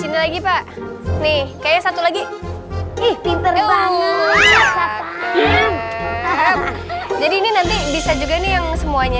sini lagi pak nih kayaknya satu lagi eh pinter banget jadi ini nanti bisa juga nih yang semuanya